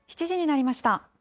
７時になりました。